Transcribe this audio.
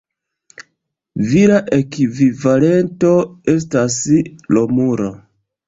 Vira ekvivalento estas Romulo.